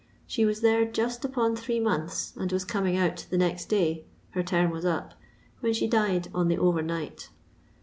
She was there just upon three months and was coming out the next day (her term was up), when she died on the over night.